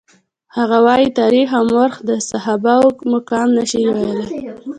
هغه وايي تاریخ او مورخ د صحابه وو مقام نشي ویلای.